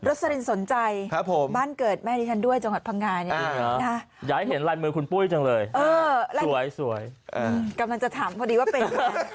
สลินสนใจบ้านเกิดแม่ดิฉันด้วยจังหวัดพังงาเนี่ยอยากให้เห็นลายมือคุณปุ้ยจังเลยสวยกำลังจะถามพอดีว่าเป็น